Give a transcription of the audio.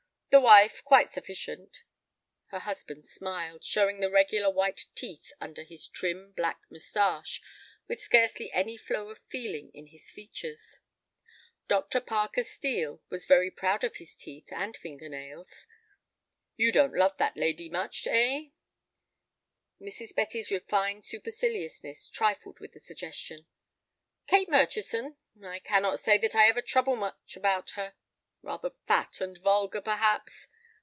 "The wife—quite sufficient." Her husband smiled, showing the regular white teeth under his trim, black mustache with scarcely any flow of feeling in his features. Dr. Parker Steel was very proud of his teeth and finger nails. "You don't love that lady much, eh?" Mrs. Betty's refined superciliousness trifled with the suggestion. "Kate Murchison? I cannot say that I ever trouble much about her. Rather fat and vulgar—perhaps.